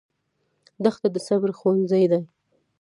دښته د صبر ښوونځی دی.